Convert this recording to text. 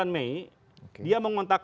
sembilan mei dia mengontak